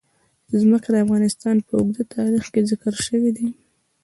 ځمکه د افغانستان په اوږده تاریخ کې ذکر شوی دی.